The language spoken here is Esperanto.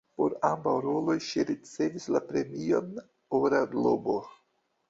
Por ambaŭ roloj ŝi ricevis la premion "Ora globo".